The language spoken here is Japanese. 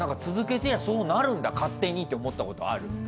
てりゃそうなるんだ勝手にって思ったことある。